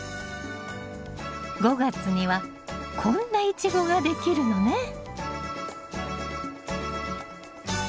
５月にはこんなイチゴができるのね。